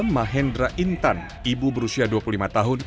mahendra intan ibu berusia dua puluh lima tahun